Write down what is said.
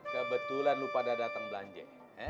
nah kebetulan lu pada datang belanje